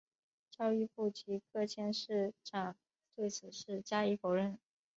教育部及各县市长对此事加以否认。